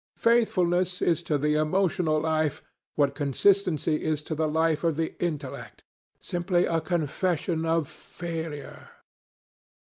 Faithfulness is to the emotional life what consistency is to the life of the intellect—simply a confession of failure.